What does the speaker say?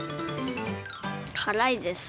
辛いです